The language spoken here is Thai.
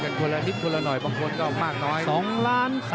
เป็นความต่างที่คนละหน่อยคนมีพ้นก็มากน้อย